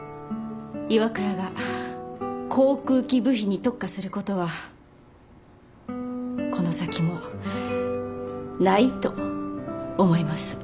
ＩＷＡＫＵＲＡが航空機部品に特化することはこの先もないと思います。